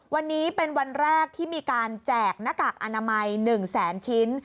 วันนี้เป็นวันแรกที่มีการแจกหน้ากากอนามัย๑แสนชิ้น